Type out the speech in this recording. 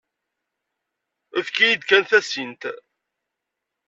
Efk-iyi-d kan tasint.